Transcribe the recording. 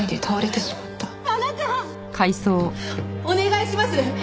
お願いします！